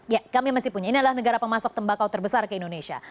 ya kami masih punya ini adalah negara pemasok tembakau terbesar ke indonesia